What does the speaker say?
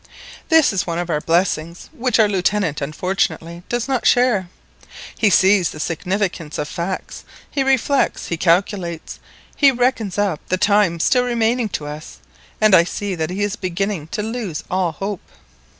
That is one of our blessings, which our Lieutenant unfortunately does not share. He sees the significance of facts, he reflects, he calculates, he reckons up the time still remaining to us, and I see that he is beginning to lose all hope."